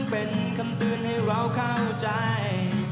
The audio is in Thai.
เป็นคำเตือนให้เราเข้าใจ